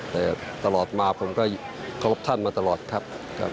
แต่ตลอดมาผมก็เคารพท่านมาตลอดครับ